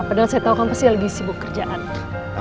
padahal saya tahu kamu pasti lagi sibuk kerjaan